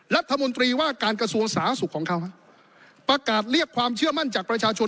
รัฐมนตรีว่าการกระทรวงสาธารณสุขของเขาประกาศเรียกความเชื่อมั่นจากประชาชน